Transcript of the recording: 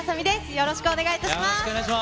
よろしくお願いします。